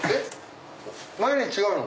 毎日違うの？